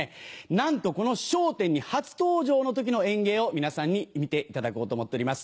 なんとこの『笑点』に初登場の時の演芸を皆さんに見ていただこうと思っております。